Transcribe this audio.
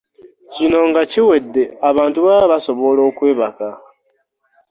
Kino nga kiwedde, abantu baba basobola okwebaka.